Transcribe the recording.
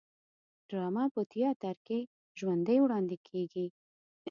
ډرامه په تیاتر کې ژوندی وړاندې کیږي